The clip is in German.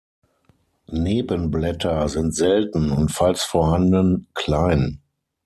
Nebenblätter sind selten und falls vorhanden klein.